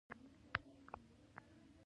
د همیشه ژوندون معنا خدای جل جلاله وپېژني.